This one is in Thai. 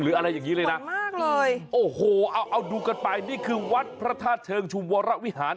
อะไรอย่างนี้เลยนะมากเลยโอ้โหเอาเอาดูกันไปนี่คือวัดพระธาตุเชิงชุมวรวิหาร